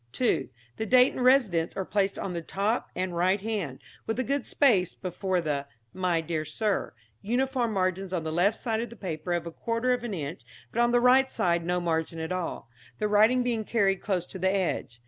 (2) The date and residence are placed on the top and right hand, with a good space before the 'My Dear Sir,' uniform margins on the left side of the paper of a quarter of an inch, but on the right side no margin at all, the writing being carried close to the edge.